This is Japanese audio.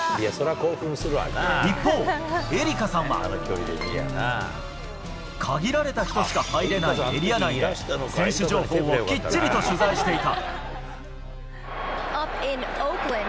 一方、エリカさんは。限られた人しか入れないエリア内で、選手情報をきっちりと取材していた。